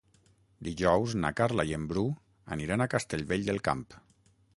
Dijous na Carla i en Bru aniran a Castellvell del Camp.